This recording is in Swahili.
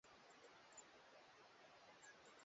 mapafu yetu ambapo husababisha kuvimba kwa tishu nyeti za